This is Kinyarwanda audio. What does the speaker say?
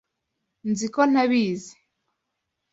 Nzi ko ntabizi